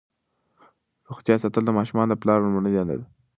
روغتیا ساتل د ماشومانو د پلار لومړنۍ دنده ده.